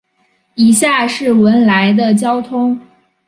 以下是文莱的交通